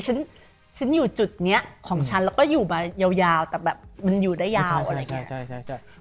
ฉันฉันอยู่จุดนี้ของฉันแล้วก็อยู่มายาวแต่แบบมันอยู่ได้ยาวอะไรอย่างนี้